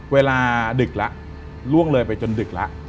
เวลาดึกละล่วงเลยไปจนดึกละ